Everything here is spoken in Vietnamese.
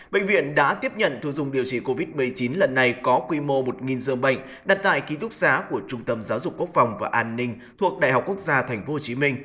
bệnh viện đã tiếp nhận thu dung điều trị covid một mươi chín lần này có quy mô một dương bệnh đặt tại ký túc xá của trung tâm giáo dục quốc phòng và an ninh thuộc đại học quốc gia tp hcm